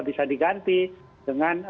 bisa diganti dengan